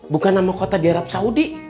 bukan nama kota di arab saudi